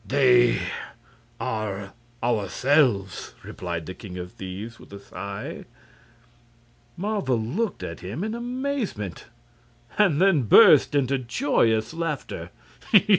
"They are ourselves," replied the king of thieves, with a sigh. Marvel looked at him in amazement, and then burst into joyous laughter.